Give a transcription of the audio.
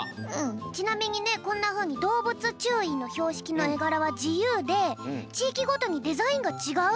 ちなみにねこんなふうにどうぶつちゅういのひょうしきのえがらはじゆうでちいきごとにデザインがちがうんだって。